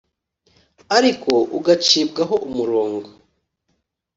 ariko ugacibwaho umurongo.